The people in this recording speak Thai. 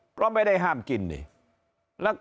เพราะไม่ได้ห้ามกินนี่